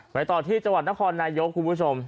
หมายต่อที่จนนคุณผู้ชม